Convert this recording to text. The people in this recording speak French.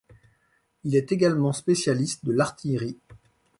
Il est également spécialiste de l'artillerie.